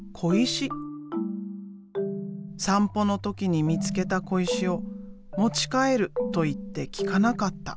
散歩の時に見つけた小石を持ち帰ると言って聞かなかった。